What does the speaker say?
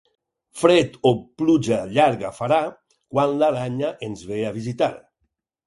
Fred o pluja llarga farà quan l'aranya ens ve a visitar.